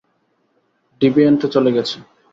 ডিভিয়েন্টরা চলে গেছে।